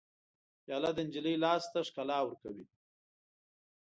پیاله د نجلۍ لاس ته ښکلا ورکوي.